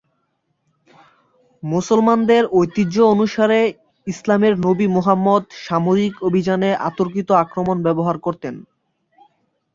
মুসলমানদের ঐতিহ্য অনুসারে, ইসলামের নবী মুহাম্মাদ সামরিক অভিযানে অতর্কিত আক্রমণ ব্যবহার করতেন।